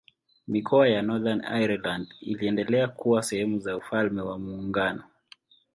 Mikoa ya Northern Ireland iliendelea kuwa sehemu za Ufalme wa Muungano.